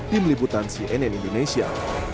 tim liputan cnn indonesia